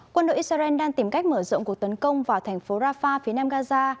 quân đội israel đang tìm cách mở rộng cuộc tấn công vào thành phố rafah phía nam gaza